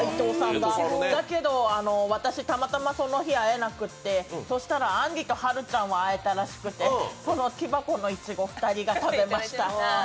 だけど、私、たまたまその日会えなくて、そうしたらあんりとはるかは会えたらしくて、木箱のいちご２人が食べました。